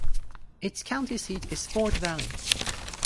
Its county seat is Fort Valley.